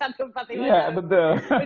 ada meeting ya bungkus